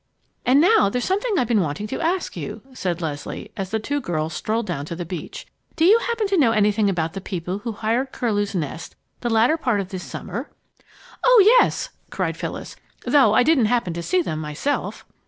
"And now, there's something I've been wanting to ask you," said Leslie, as the two girls strolled down to the beach. "Do you happen to know anything about the people who hired Curlew's Nest the latter part of this summer?" "Oh, yes!" answered Phyllis, "though I didn't happen to see them myself.